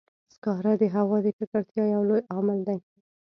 سکاره د هوا د ککړتیا یو لوی عامل دی.